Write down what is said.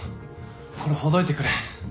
これほどいてくれ。